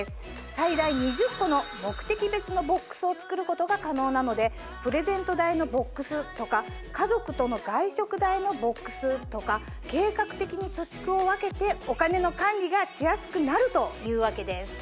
最大２０個の目的別のボックスを作ることが可能なのでプレゼント代のボックスとか家族との外食代のボックスとか計画的に貯蓄を分けてお金の管理がしやすくなるというわけです。